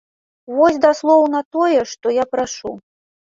Вось даслоўна тое, што я прашу.